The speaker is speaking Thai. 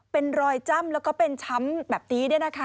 เป็นรอยจ้ำแล้วก็เป็นช้ำแบบนี้ด้วยนะคะ